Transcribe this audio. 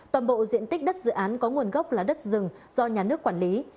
toàn bộ diện tích đất dự án có nguồn gốc là đất rừng do nhà nước quản lý